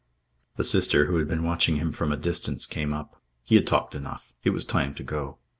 The Sister, who had been watching him from a distance, came up. He had talked enough. It was time to go.